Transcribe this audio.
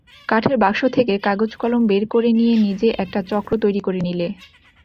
কাঠের বাক্স থেকে কাগজ-কলম বের করে নিয়ে নিজে একটা চক্র তৈরি করে নিলে।